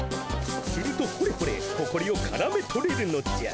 するとほれほれほこりをからめとれるのじゃ。